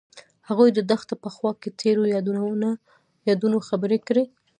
هغوی د دښته په خوا کې تیرو یادونو خبرې کړې.